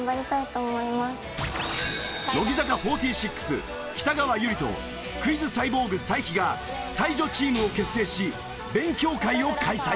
乃木坂４６北川悠理とクイズサイボーグ才木が才女チームを結成し勉強会を開催！